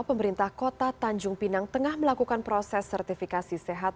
pemerintah kota tanjung pinang tengah melakukan proses sertifikasi sehat